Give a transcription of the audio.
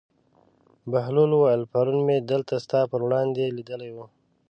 بهلول وویل: پرون مې دلته ستا پر وړاندې لیدلی و.